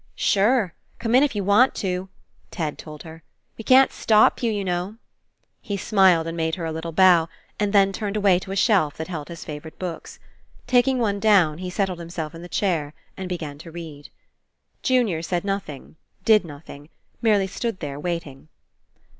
"Sure, come in if you want to," Ted told her. "We can't stop you, you know." He smiled and made her a little bow and then turned away to a shelf that held his favourite books. Taking one down, he settled himself in a chair and began to read. Junior said nothing, did nothing, merely stood there waiting.